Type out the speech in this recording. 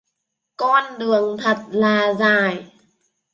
con đường thật là dài